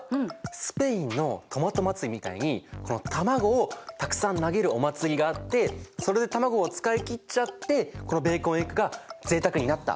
スペインのトマト祭りみたいに卵をたくさん投げるお祭りがあってそれで卵を使い切っちゃってこのベーコンエッグがぜいたくになった。